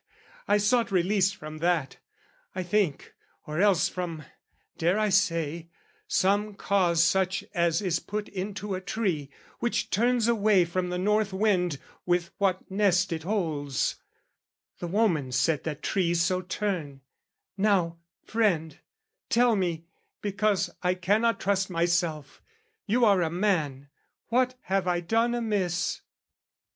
I sought release from that "I think, or else from, dare I say, some cause "Such as is put into a tree, which turns "Away from the northwind with what nest it holds, "The woman said that trees so turn: now, friend, "Tell me, because I cannot trust myself! "You are a man: what have I done amiss?"